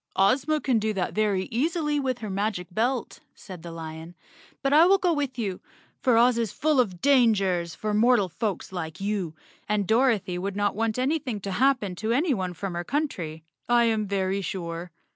" Ozma can do that very easily with her magic belt," said the lion, "but I will go with you, for Oz is full of dangers for mortal folks like you, and Dorothy would noi, want anything to happen to anyone from her coun¬ try, I am very sure."